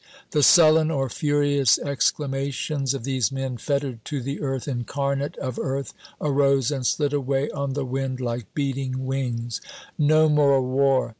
The sullen or furious exclamations of these men fettered to the earth, incarnate of earth, arose and slid away on the wind like beating wings "No more war!